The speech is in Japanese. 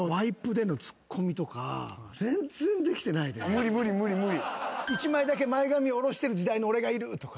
無理無理無理無理！